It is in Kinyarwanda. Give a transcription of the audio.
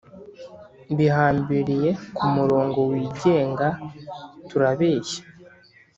bihambiriye kumurongo wigenga, turabeshya,